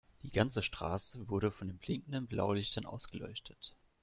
Die ganze Straße wurde von den blinkenden Blaulichtern ausgeleuchtet.